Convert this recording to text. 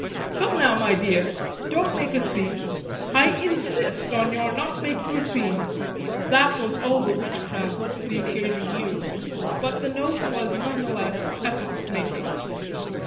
"Come now, my dear; don't make a scene I insist on your not making a scene!" That was all the witchcraft the occasion used, but the note was none the less epoch making.